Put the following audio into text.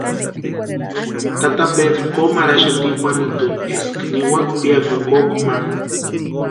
Tata Pedru komu arhixati Juanitu eska niwaka piakuni koka ma.